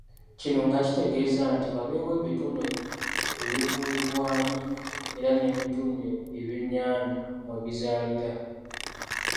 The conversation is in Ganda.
Kino nga kitegeeza nti wabeewo ebitundu ebivubibwaamu era n'ebitundu ebyenyanja mwe bizaalira.